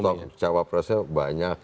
kita stok cawapresnya banyak